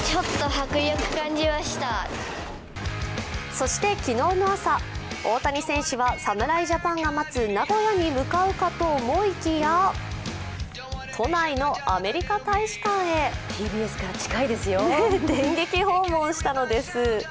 そして、昨日の朝大谷選手は侍ジャパンが待つ名古屋に向かうかと思いきや都内のアメリカ大使館へ電撃訪問したのです。